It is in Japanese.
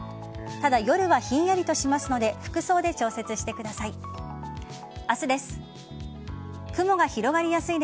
ただ、夜はひんやりとしますので服装で調節してください。